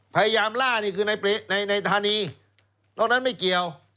พยายามล่านี่คือในธานีนอกนั้นไม่เกี่ยว